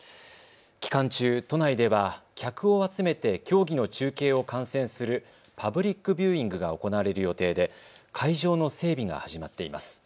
期間中、都内では客を集めて競技の中継を観戦するパブリックビューイングが行われる予定で会場の整備が始まっています。